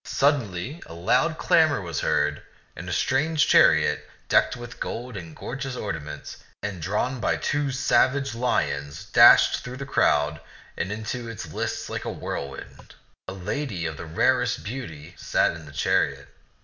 Suddenly a loud clamor was heard, and a strange chariot, decked with gold and gorgeous ornaments and drawn by two savage lions, dashed through the crowd and into the lists like a whirlwind. A lady of rarest beauty sat in the chariot.